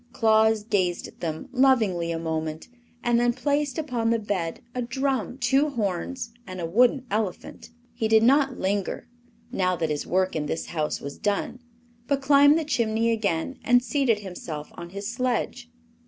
Claus gazed at them lovingly a moment and then placed upon the bed a drum, two horns and a wooden elephant. He did not linger, now that his work in this house was done, but climbed the chimney again and seated himself on his sledge.